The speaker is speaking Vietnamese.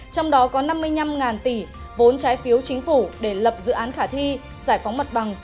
trong đó có năm mươi năm tỷ vốn trái phiếu chính phủ để lập dự án khả thi giải phóng mặt bằng